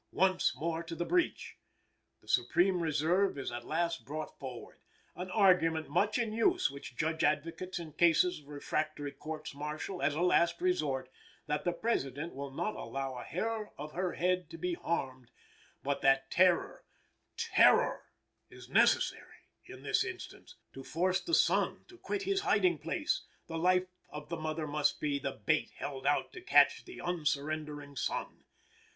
Once more to the breach! The supreme reserve is at last brought forward an argument much in use with Judge Advocates in cases of refractory courts martial, as a last resort that the President will not allow a hair of her head to be harmed, but that terror, TERROR, is necessary; in this instance, to force the son to quit his hiding place, the life of the mother must be the bait held out to catch the unsurrendering son.